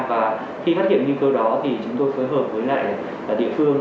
và khi phát hiện nguy cơ đó thì chúng tôi phối hợp với lại địa phương